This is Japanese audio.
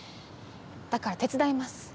だから手伝います。